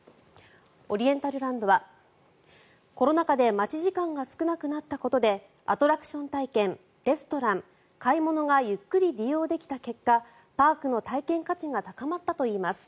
オリエンタルランドはコロナ禍で待ち時間が少なくなったことでアトラクション体験レストラン、買い物がゆっくり利用できた結果パークの体験価値が高まったといいます。